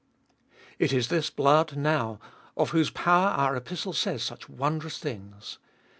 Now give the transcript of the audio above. It is this blood now, of whose power our Epistle says such wondrous things.